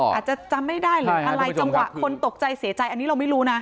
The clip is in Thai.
อาจจะจำไม่ได้หรืออะไรจังหวะคนตกใจเสียใจอันนี้เราไม่รู้นะ